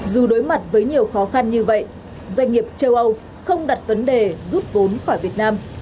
dù đối mặt với nhiều khó khăn như vậy doanh nghiệp châu âu không đặt vấn đề rút vốn khỏi việt nam